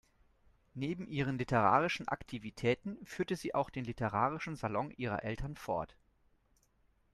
Neben ihren literarischen Aktivitäten führte sie auch den literarischen Salon ihrer Eltern fort.